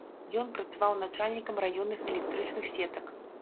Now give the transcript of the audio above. Ён працаваў начальнікам раённых электрычных сетак.